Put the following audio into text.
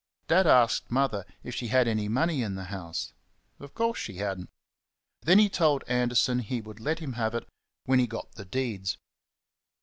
Dad asked Mother if she had any money in the house? Of course she had n't. Then he told Anderson he would let him have it when he got the deeds.